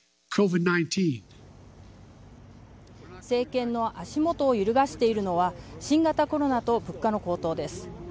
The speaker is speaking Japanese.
政権の足元を揺るがしているのは新型コロナと物価の高騰です。